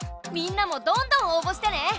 みんなもどんどん応ぼしてね。